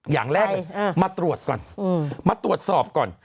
อย่างแรกเลยมาตรวจก่อนมาตรวจสอบก่อน